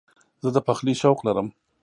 زه د پخلي شوق لرم.